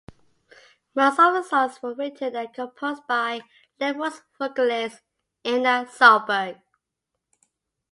Most of the songs were written and composed by Leprous vocalist Einar Solberg.